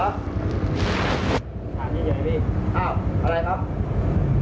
ถามใหญ่พี่